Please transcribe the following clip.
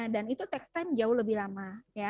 dan itu takes time jauh lebih lama